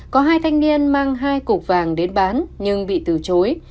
có hai thanh niên mang hai cục vàng đến bán nhưng bị từ chối